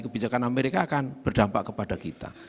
kebijakan amerika akan berdampak kepada kita